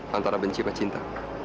antara benci sama cinta